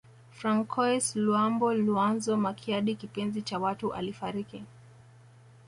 Francois Luambo Luanzo Makiadi kipenzi cha watu alifariki